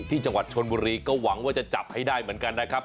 ที่จังหวัดชนบุรีก็หวังว่าจะจับให้ได้เหมือนกันนะครับ